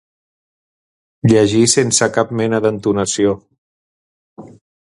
Llegir sense cap mena d'entonació